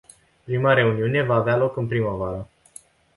Prima reuniune va avea loc în primăvară.